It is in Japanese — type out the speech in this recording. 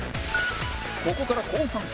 ここから後半戦